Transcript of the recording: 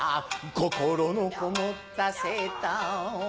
心のこもったセーターを